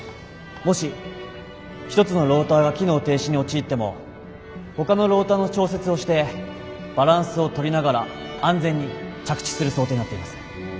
もし一つのローターが機能停止に陥ってもほかのローターの調節をしてバランスを取りながら安全に着地する想定になっています。